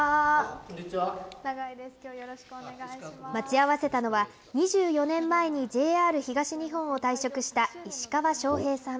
待ち合わせたのは、２４年前にＪＲ東日本を退職した、石川翔平さん。